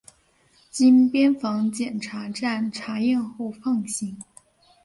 经边防检查站查验后放行。